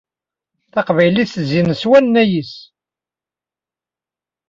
Taqbaylit tezyen s wanay-is.